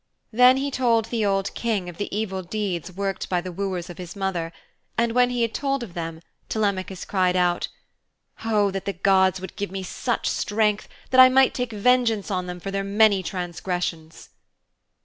Then he told the old King of the evil deeds I worked by the wooers of his mother, and when he had told of them Telemachus cried out, 'Oh, that the gods would give me such strength that I might take vengeance on them for their many transgressions.'